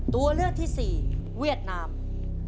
ตัวเลือกที่๔เวียดนาม